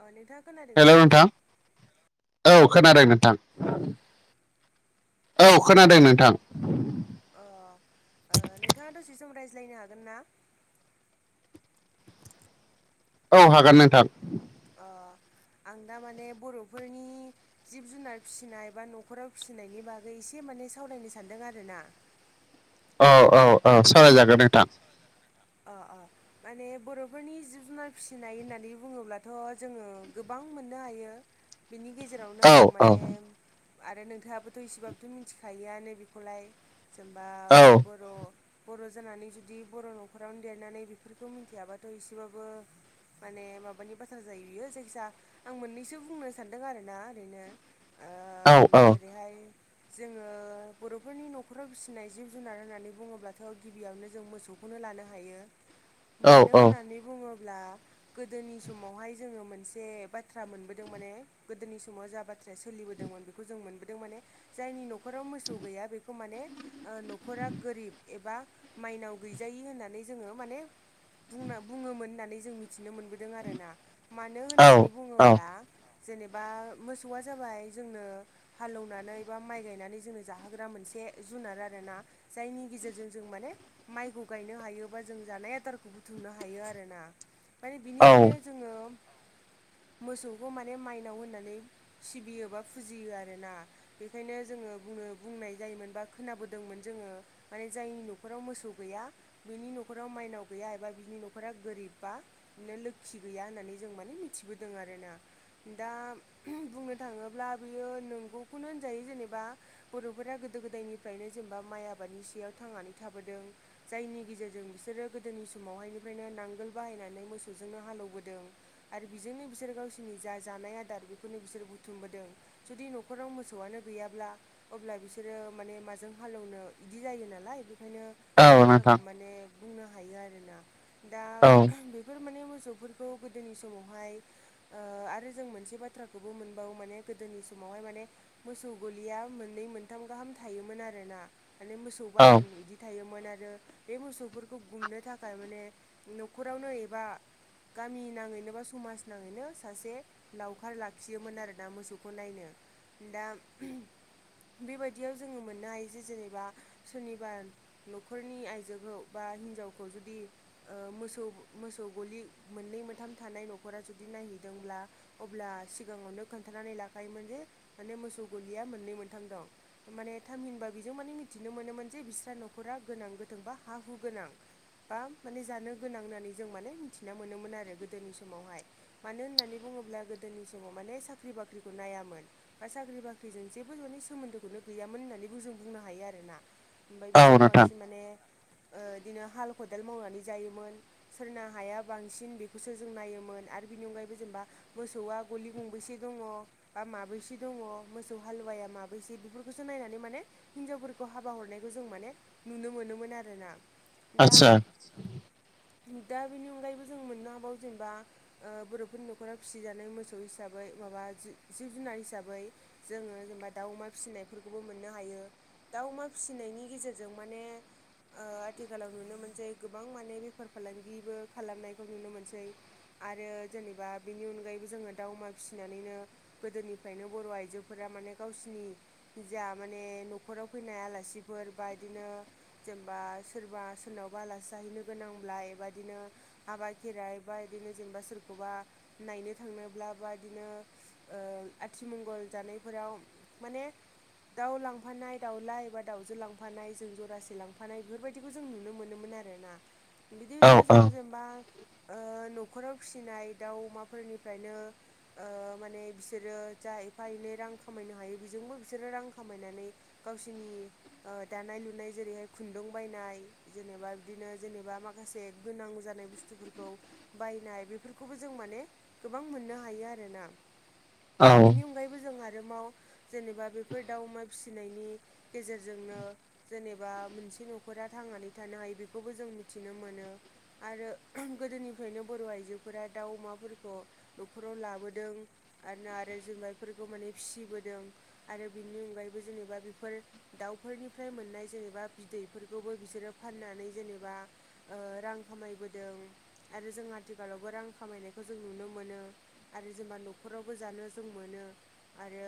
अ नोंथाङा खोनादों हेल' ना नोंथां। औ खोनादों नोंथां। औ खोनादों नोंथां। अ ओ नोंथाङा दसे सम रायज्लायनो हागोन ना? औ हागोन नोंथां। अ आं दा माने बर'फोरनि जिब-जुनार फिसिनाय बा न'खराव फिसिनायनि बागै एसे माने सावरायनो सानदों आरो ना। औ औ औ सावरायजागोन नोंथां। अ अ माने बर'फोरनि जिब-जुनार फिसिनाय होननानै बुङोब्लाथ जोङो गोबां मोननो हायो। बिनि गेजेरावनो औ आं औ माने आरो नोंथाङाबोथ' इसेबाबोथ मिथिखायो [unintelligible] बेखौलाय जेनबा औ बर' बर' जानानै जुदि बर' न'खरावनो देरनानै बेफोरखौ मिथियाबाथ एसेबाबो माने माबानि बाथ्रा जायो बियो जायखिजाया आं मोननैसो बुंनो सानदों आरोना ओरैनो। ओ औ औ जेरैहाय जोङो बर'फोरनि नखराव फिसिनाय जिब जुनार होननानै बुङोब्लाथ'। गिबियावनो जों मोसौखौनो लानो हायो। मानो औ होननानै बुङोब्ला गोदोनि समावहाय जोङो मोनसे बाथ्रा मोनबोदों माने। गोदोनि समाव जा बा- थ्रा सोलिबोदोंमोन बेखौ जों मोनबोदों माने। जायनि न'खर- न'खराव मोसौ गैया बेखौ माने न'खरा गोरिब एबा माइनाव गैजायि होननानै जोङो माने बुंना बुङोमोन होननानै जों मिथिनो मोनबो- दों आरोना मानो औ होननानै औ बुङोब्ला जेनेबा मोसौआ जाबाय जोंनो हालेवनानै बा माइ गायनानै जोंनो जाहोग्रा मोनसे जुनार आरो ना। जायनि गेजेरजों जों माने माइखौ गायनो हायोबा जों जानाय आदारखौ बुथुमनो हायो आरो ना। माने औ बिनिखायनो जोङो मोसौखौ माने माइनाव होननानै सिबियोबा फुजियो आरो ना। बेखायनो जोङो बुंनो बुंनाय जायोमोन बा खोनाबोदोंमोन जोङो। माने जायनि नखराव मो- सौ गैया बिनि न'खराव माइनाव गैया एबा बिनि न'खरा गोरिब बा बिदिनो लोखि गैया होननानै जों माने मिथिबोदों आरो ना। दा बुंनो थाङोब्ला बियो नंगौखौनो होनजायो जेनेबा बर'फोरा गोदो गोदायनिफ्रायनो जेनेबा माइ आबादनि सयाव थांनानै थाबोदों। जायनि गेजेरजों बिसोरो गोदोनि समावहायनिफ्रायनो नांगोल बाहायनानै मोसौजोंनो हाल एवबोदों। आरो बेजोंनो बिसोर गावसोरनि जा जानाय आदार बेखौनो बिसोर बुथुमबोदों। जुदि न'खराव मोसौआनो गैयाब्ला अब्ला बिसोरो माने माजों हालेवनो इदि जायो नालाय बेखायनो औ बे नोंथां बाथ्राखौ माने बुंनो हायो आरोना दा औ बे फोर माने मोसौफोरखौ गोदोनि समावहाय ओ आरो जों मोनसे बाथ्राखौबो मोनबावो माने गोदोनि समावहाय माने मोसौ गलिया मोननै मोनथाम गाहाम थायोमोन आरोना माने मोसौ औ बाथोन इदि थायोमोन आर जो बे मोसौफोरखौ गुमनो थाखाय माने न'खरावनो एबा गामि नाङैनो बा समाज नाङैनो सासे लावखार लाखियोमोन आरोना मोसौखौ नायनो दा बेबायदियाव जोङो मोननो हायो जे जेनेबा सुनिबार न'खरनि आइजोखौ बा हिनजावखौ जुदि ओ मोसौ मोसौ गलि मोननै मोनथाम थानाय न'खरा जुदि नायहैदोंब्ला अब्ला सिगाङावनो खोन्थानानै लाखायोमोन जे माने मोसौ गलिया मोननै मोनथाम दं। माने थामहिनबा बेजों माने मिथिनो मोनोमोन जे बिस्रा न'खरा गोनां गोथोंबा हा हु गोनां बा माने जानो गोनां होननानै जों माने मिथिना मोनोमोन आरो गोदोनि समावहाय मानो होननानै बुङोब्ला गोदोनि समाव माने साख्रि बाख्रिखौ नायामोन। बा साख्रि बाख्रिजों जेबो माने सोमोन्दोखौनो गैयामोन होननानैबो जों बुंनो हायो आरोना ओमफाय औ बिसोरो नोंथां बांसिन माने ओ इदिनो हाल खदाल मावनानै जायोमोन। सोरना हाया बांसिन बेखौसो जों नायोमोन आरो बिनि अनगायैबो जेनेबा मोसौआ गलि गंबैसे दङ बा माबैसे दङ मोसौ हालुवाया माबैसे बेफोरखौसो नायनानै माने हिनजावफोरखौ हाबा हरनायखौ जों माने नुनो मोनोमोन आरोना आदसा दाम स हो दा बेनि अनगायैबो जों मोननो हाबाव जेनेबा ओ बर'फोरनि न'खरा फिसिजानाय मोसौ हिसाबै माबा जि जिब जुनार हिसाबै जोङो जेनेबा दाउ अमा फिसिनायफोरखौबो मोननो हायो दाउ अमा फिसिनायनि गेजेरजों माने ओ आथिखालाव नुनो मोनसै गोबां माने बेफार फालांगिबो खालामनायखौ नुनो मोनसै। आरो जेनेबा बेनि अनगायैबो जोङो दाउ अमा फिसिनानैनो गोदोनिफ्रायनो बर' आइजोफोरा माने गावसिनि जा माने न'खराव फैनाय आलासिफोर बाय बिदिनो जेनेबा सोरबा सोरनावबा आलासि जाहैनो गोनांब्ला ए बादिनो हाबा खेराइ बा इदिनो जेनेबा सोरखौबा नायनो थांनोब्ला बा दिनो ओ आथिमंगल जानायफोराव माने दाउ लांफानाय दावला एबा दाउजो लां फानाय जों जरासे लांफानाय बेफोरबायदिखौ जों नुनो मोनोमोन आरोना औ बिदिनो औ जोङो जेनेबा ओ न'खराव फिसिनाय दाउ अमाफोरनिफ्रायनो ओ माने बिसोरो जा एफा एनै रां खामायनो हायो बेजोंबो बिसोरो रां खामायनानै गावसिनि ओ दानाय लुनाय जेरैहाय खुन्दुं बायनाय जेनेबा बिदिनो जेनेबा माखासे गोनां जानाय बुस्थुफोरखौ बायनाय बेफोरखौबो जों माने गोबां मोननो हायो आरोना औ बेनि अनगायैबो जों आरो माव जेनेबा बेफोर दाउ अमा फिसिनायनि गेजेर जोंनो जेनेबा मोनसे न'खरा थांनानै थानो हायो बेखौबो जों मिथिनो मोनो। आरो गोदोनिफ्रायनो बर' आइजोफोरा दाउ अमाफोरखौ न'खराव लाबोदों आरोना आरो जोमाय फोरखौ माने फिसिबोदों। आरो बेनि अनगायैबो जेनेबा बेफोर दाउफोरनिफ्राय मोननाय जेनेबा बिदैफोरखौबो बिसोरो फाननानै जेनेबा रां खामायबोदों आरो जों आथिखालावबो रां खामायनायखौ जों नुनो मोनो। आरो जेनेबा न'खरावबो जानो जों मोनो। आरो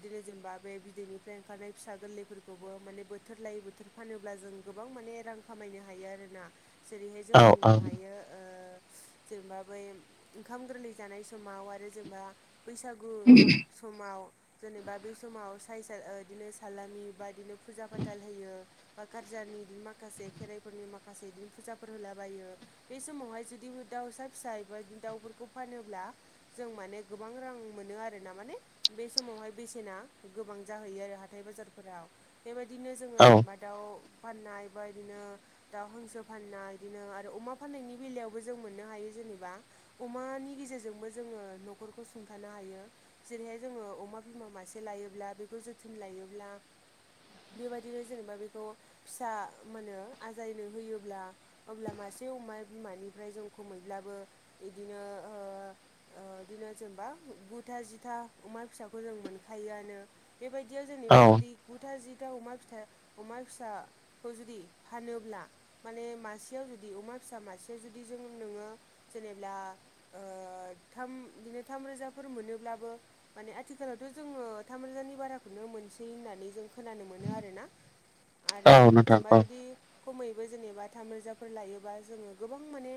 बिदिनो जेनेबा बे बिदैनिफ्राय ओंखारनाय फिसा गोरलै फोरखौबो माने बोथोर लायै बोथोर फानोब्ला जों गोबां माने रां खामायनो हायो आरोना। जेरैहाय जों औ बुंनो औ हायो ओ जेनेबा बै ओंखाम गोरलै जानाय समाव आरो जेनेबा बैसागु समाव जेनेबा बेै समाव स बिदिनो सालामनि बदिनो फुजा फाथाल होयो बा गारजानि बिदिनो माखासे खेराइफोरनि माखासे बिदिनो फुजाफोर होलाबायो। बे समावहाय जुदि दाउसा फिसा एबादि दाउफोरखौ फानोब्ला जों माने गोबां रां मोनो आरोना माने बे समावहाय बेसेना गोबां जाहैयो आरो हाथाय बाजारफोराव बेबायदिनो जोङो जोब्बा दाउ फाननाय बे बबायदिनो दाउ हांसो फानना बिदिनो आरो अमा फाननायनि बेलायावबो जों मोननो हायो जेनेबा अमानि गेजेरजोंबो जोङो न'खरखौ सुंथानो हायो जेरैहाय जोङो अमा बिमा मासे लायोब्ला बेखौ जोथोन लायोब्ला बेबायदिनो जेनेबा बेखौ फिसा मो आजायनो होयोब्ला अब्ला मासे अमा बिमानिफ्राय जों खुमैब्लाबो बिदिनो बिदिनो जेनेबा गुथा जिथा अमा फिसाखौ जों मोनखायोआनो बेबायदियाव औ जेनेबा जुदि गुथा जिथा अमा फिाइ अमा फिसा खौ जुदि फानोब्ला माने मासेयाव जुदि अमा फिसा मासेयाव जुदि जों नोङो जेनेब्ला थाम बिदिनो थाम रोजाफोर मोनोब्लाबो माने आथिखालावथ' जोङो थामरोजानि बाराखौनो मोनसै होननानै जों खोनानो मोनो आरोना आरो नोंथां जेनेबा जुदि खमैबो जेनेबा थाम रोजाफोर लायोबा जोङो गोबां माने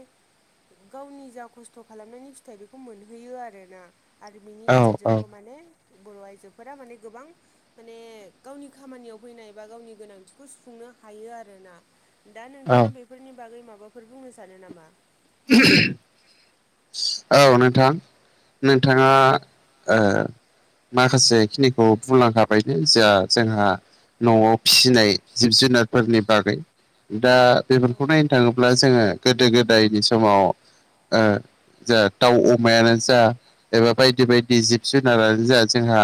गावनि जा खस्थ' खालामनायनि फिथाइ बेखौ मोनहैयो आरोना आरो बिनि औ गेजेरजोंबो माने बर' आइजोफोरा माने गोबां माने गावनि खामानियाव फैनाय बा गावनि गोनांथिखौ सुफुंनो हायो आरोना दा नोंथाङा औ बे फोरनि बागै माबाफोर बुंनो सानो नामा [unintelligible] औ नोंथां नोंथाङा माखासे खिनिखौ बुंलांखाब बेनो जों जोंहा न'आव फिसिनाय जिब जुनारफोरनि बागै दा बेफोरखौ नायनो थाङोब्ला जोङो गोदो गोदायनि समाव। जा दाउ अमायानो जा एबा बायदि बायदि जिब जुनारानो जा जोंहा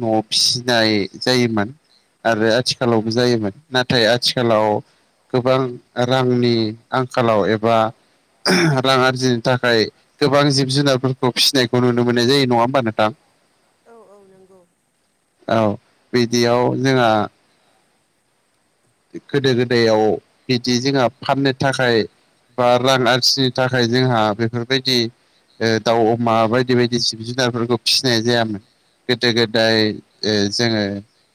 न'आव फिसिनाय जायोमोन आरो आथिखालावबो जायोमोन नाथाय आथिखालाव गोबां रांनि आंखालाव एबा रां आरजिनो थाखाय गोबां जिब जुनारफोरखौ फिसिनायखौ नुनो मोननाय जायो नङा होमबा नोंथां औ औ नंगौ। औ बिदियाव जोंहा गोदो गोदायाव बिदि जोंहा फाननो थाखाय बा रां आरजिनो थाखाय जोंहा बेफोरबायदि दाउ अमा बायदि बायदि जिब जुनारफोरखौ फिसिनाय जायामोन। गोदो गोदाय जोङो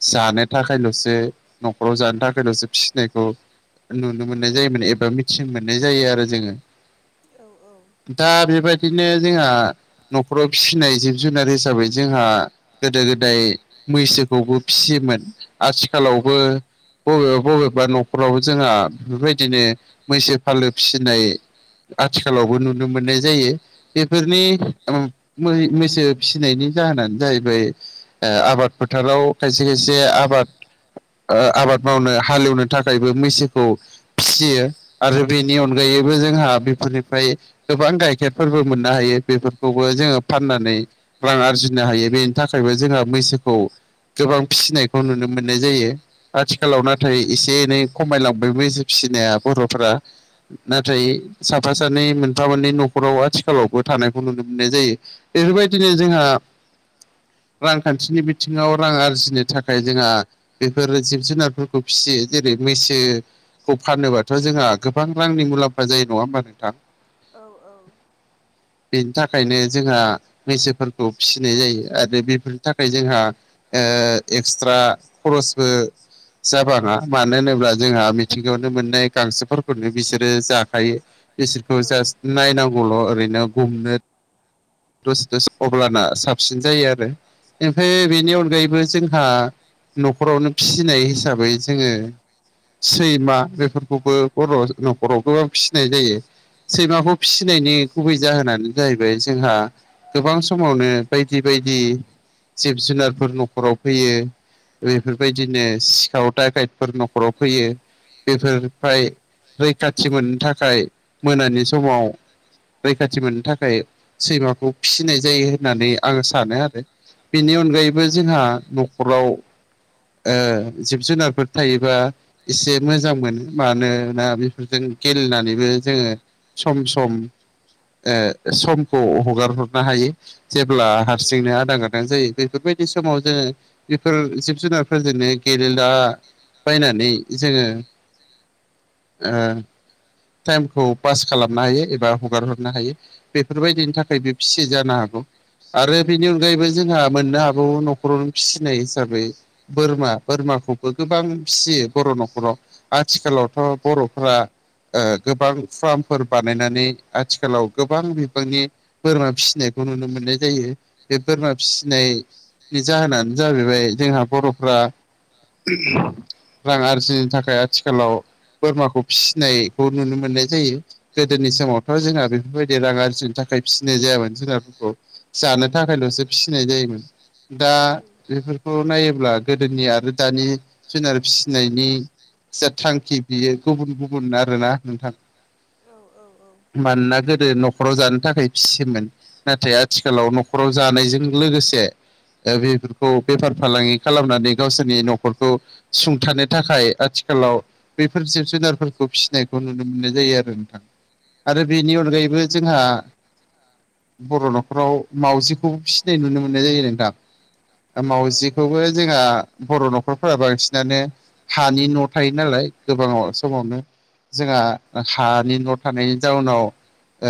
जानो थाखायल'सो न'खराव जानो थाखाय गोदावसो फिसिनायखौ नुनो मोननाय जायोमोन एबा मिथिनो मोननाय जायो आरो जोङो। औ औ दा औ बेबायदिनो जोंहा न'खराव फिसिनाय जिब जुनार हिसाबै जोंहा गोदो गोदाय मैसोखौबो फिसियोमोन। आथिखालावबो बबेबा बबेबा न'खरावबो जोंहा बेफोरबायदिनो मैसो फालो फिसिनाय आथिखालावबो नुनो मोननाय जायो। बेफोरनि उम मै-मैसो फिसिनायनि जाहोनानो जाहैबाय आबाद फोथाराव खायसे खायसे आबाद ओ आबाद मावनो हालेवनो थाखायबो मैसोखौ फिसियो आरो बेनि अनगायैबो उम जोंहा बेफोरनिफ्राय गोबां गाइखेरफोरबो मोननो हायो। बेफोरखौबो जोङो फाननानै रां आरजिनो हायो। बेनि थाखायबो जोंहा मैसोखौ गोबां फिसिनायखौ नुनो मोननाय जायो। आथि खालाव उम नाथाय एसे एनै खमायलांबाय मैसो फिसिनाया बर'फोरा। नाथाय साफा सानै, मोनफा मोननै न'खराव आथिखालावबो थानायखौ नुनो मोननाय जायो। बेफोरबायदिनो जोंहा रांखान्थिनि बिथिङाव, रां आरजिनो थाखाय जोंहा बेफोर जिब जुनार फोरखौ फिसियो। जेरै मैसो खौ फानोबाथ' जोंहा गोबां रांनि मुलाम्फा जायो नङा होमबा नोंथां? औ औ। बेनि थाखायनो जोंहा मैसोफोरखौ फिसिनाय जायो आरो बेफोरनि थाखाय जोंहा ओ एक्सट्रा खरसबो जाबाङा। मानो होनोब्ला जोंहा मिथिंगायावनो मोननाय गांसोफोरखौनो बिसोरो जाखायो। औ बिसोरखौ जास्ट नायनांगौल' ओरैनो गुमनो दसे दसे अब्लाना साबसिन जायो आरो। ओमफ्राय बेनि अनगायैबो जोंहा न'खरावनो फिसिनाय हिसाब बै जोङो सैमा बेफोरखौबो बर' न'खराव गोबां फिसिनाय जायो। सैमाखौ फिसिनायनि गुबै जाहोनानो जाहैबाय जोंहा गोबां समावनो बायदि बायदि जिब जुनारफोर न'खराव फैयो। बेफोरबायदिनो सिखाउ दाकाइदफोर न'खराव फैयो। बेफोर फ्राय रैखाथि मोननो थाखाय मोनानि समाव रैखाथि मोननो थाखाय सैमाखौ फिसिनाय जायो होननानै आङो सानो आरो। बेनि अनगायैबो जोंहा औ उम न'खराव ओ जिब जुनार फोर थायोबा एसे मोजां मोनो। मानोना बेफोरजों गेलेनानैबो जोङो सम सम ओ समखौ हगार हरनो हायो। जेब्ला हारसिंनो आदा गादां जायो बेफोरबायदि समाव जोङो बेफोर जिब जुनारफोरजोंनो गेलेला बायनानै जोङो ओ टाइमखौ पास खालामनो हायो एबा हगार हरनो हायो। बेफोरबायदिनि थाखाय बे फिसियो जानो हागौ। आरो बेनि अनगायैबो जोंहा मोननो हाबावो न'खराव फिसिनाय हिसाबै बोरमा बोरमाखौ बो गोबां फिसियो बर' न'खराव। आथिखालावथ' बर'फ्रा गोबां फार्मफोर बानायनानै आथिखालाव गोबां बिबांनि बोरमा फिसिनायखौ नुनो मोननाय जायो। बे बोरमा फिसिनाय नि जाहोनानो जाहैबाय जोंहा बर'फ्रा रां आरजिनो थाखाय आथिखालाव बोरमाखौ फिसिनायखौ नुनो मोननाय जायो। गोदोनि समावथ' जोंना बेफोरबायदि रां आरजिनो थाखाय फिसिनाय जायामोन जुनारफोरखौ। जानो थाखायल'सो फिसिनाय जायोमोन। दा बेफोरखौ नायोब्ला गोदोनि आरो दानि जुनार फिसिनायनि ज थांखि बियो गुबुन गुबुन आरोना नोंथां। औ औ मानोना गोदो न'खराव जानो थाखाय फिसियोमोन? नाथाय आथिखालाव न'खराव जानायजों लोगोसे बेफोरखौ बेफार फालांगि खालामनानै गावसोर जे न'खरखौ सुंथानो थाखाय आथिखालाव बेफोर जिब जुनारफोरखौ फिसिनायखौ नुनो मोननाय जायो आरो नोंथां। आरो बेनि औ अनगायैबो जोंहा? बर' न'खराव मावउजिखौ फिसिनाय नुनो मोननाय जायो नोंथां। नंगौ मावजिखौबो जोंहा बर' न'खरफोरा बांसिनानो हानि न' थायो नालाय गोबां समावनो जोंहा हानि न' थानायनि जाउनाव'- ओ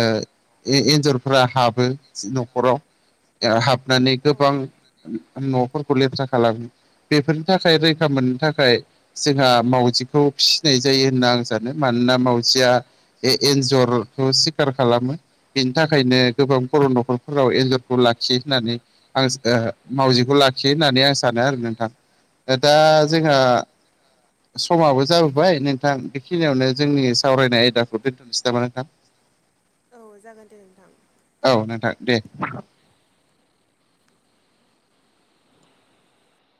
एन्जरफ्रा हाबो न'खराव हाबनानै औ गोबां न'फोरखौ लेथ्रा खालामो बेफोरनि थाखाय रैखा मोननो थाखाय जोंहा मावजिखौ फिसिनाय जायो। होनना आं सानो मानोना मावजिया बे एनजरखौ सिखार खालामो। बेनि थाखायनो गोबां बर' न'खरफोराव एन्जरखौ लाखियो होननानै आं मावजिखौ लाखियो होननानै आं सानो आरो नोंथां। दा जोंहा समाबो जाबोबाय नोंथां बेखिनियावनो जोंनि सावरायनाय आयदाखौ दोनथ'सै नामा नोंथां? औ जागोन दे नोंथां। औ नोंथां दे।